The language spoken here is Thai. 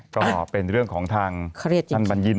ก็เป็นเรื่องของทางท่านบัญญิน